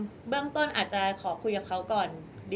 มิวยังมีเจ้าหน้าที่ตำรวจอีกหลายคนที่พร้อมจะให้ความยุติธรรมกับมิว